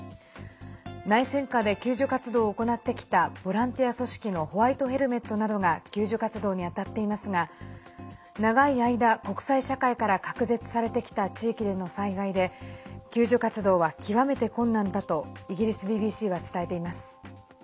内戦下で救助活動を行ってきたボランティア組織のホワイトヘルメットなどが救助活動に当たっていますが長い間、国際社会から隔絶されてきた地域での災害で救助活動は極めて困難だとイギリスＢＢＣは伝えています。